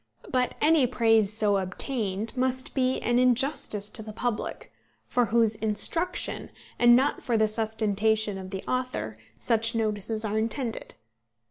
But any praise so obtained must be an injustice to the public, for whose instruction, and not for the sustentation of the author, such notices are intended.